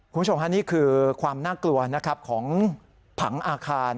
คุณผู้ชมอันนี้คือความน่ากลัวของผังอาคาร